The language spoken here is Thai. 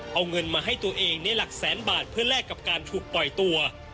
เอาเงินมาให้ตัวเองในหลักแสนบาทเพื่อแลกกับการถูกปล่อยตัว